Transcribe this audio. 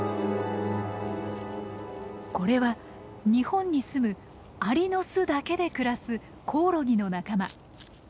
これは日本にすむアリの巣だけで暮らすコオロギの仲間。